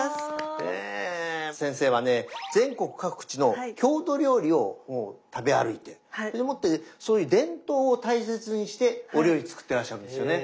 先生はね全国各地の郷土料理を食べ歩いてでもってそういう伝統を大切にしてお料理作ってらっしゃるんですよね。